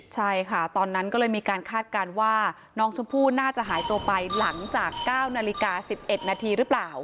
ใช่ค่ะตอนนั้นก็เลยมีการคาดการณ์ว่าน้องชมพู่น่าจะหายตัวไปหลังจาก๙นาฬิกา๑๑นาทีหรือเปล่า